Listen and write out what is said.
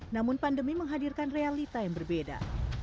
namun pandemi menghadirkan realita yang berbeda